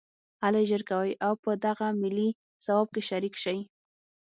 هلئ ژر کوئ او په دغه ملي ثواب کې شریک شئ